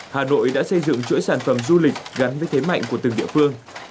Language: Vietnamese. hà nội đã xây dựng chuỗi sản phẩm du lịch gắn với thế mạnh của từng địa phương